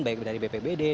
baik dari bpb bnp dan bnp